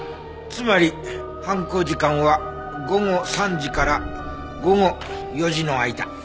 つまり犯行時間は午後３時から午後４時の間。